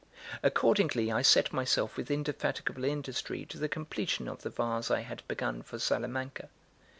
Accordingly, I set myself with indefatigable industry to the completion of the vase I had begun for Salamanca.